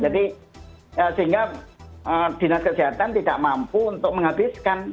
jadi sehingga dinas kesehatan tidak mampu untuk menghabiskan